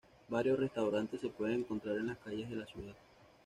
Varios restaurantes se pueden encontrar en las calles de la ciudad.